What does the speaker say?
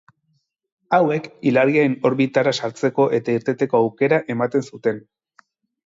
Hauek, ilargiaren orbitara sartzeko eta irteteko aukera ematen zuten.